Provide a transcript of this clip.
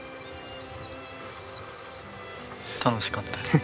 楽しかったです。